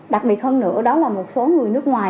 đặc biệt hơn nữa đó là một số người nước ngoài